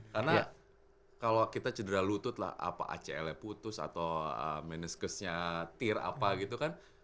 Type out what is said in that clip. karena kalau kita cedera lutut lah apa acl nya putus atau meniscusnya tear apa gitu kan